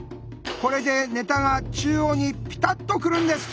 これでネタが中央にピタッと来るんです。